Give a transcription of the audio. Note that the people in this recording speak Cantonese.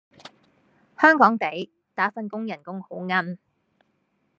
香港地，打份工人工好奀